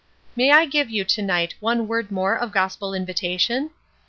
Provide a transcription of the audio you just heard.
"May I give you to night one word more of gospel invitation?